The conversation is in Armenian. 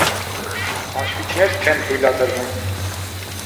Հաշվիչներ չեն թույլատրվում։